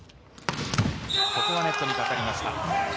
ここはネットにかかりました。